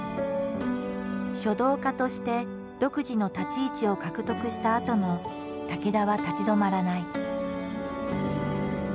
書道家として独自の立ち位置を獲得したあとも武田は立ち止まらない。